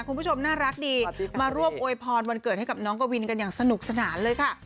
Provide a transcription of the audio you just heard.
คุณผู้ชมน่ารักดีมาร่วมโวยพรวันเกิดให้กับน้องกวินกันอย่างสนุกสนานเลยค่ะ